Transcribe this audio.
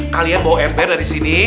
kalian bawa air bear dari sini